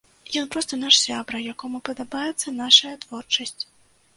Ён проста наш сябра, якому падабаецца нашая творчасць.